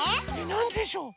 なんでしょう？